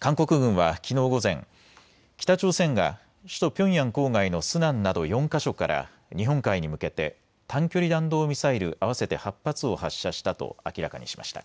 韓国軍はきのう午前、北朝鮮が首都ピョンヤン郊外のスナンなど４か所から日本海に向けて短距離弾道ミサイル合わせて８発を発射したと明らかにしました。